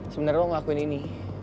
sebenernya lu ngelakuin ini